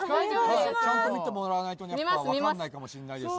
ちゃんと見てもらわないとね分かんないかもしんないです